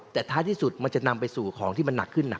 แต่ท้ายที่สุดมันจะนำไปสู่ของที่มันหนักขึ้น